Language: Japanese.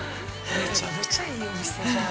◆むちゃむちゃいいお店じゃん。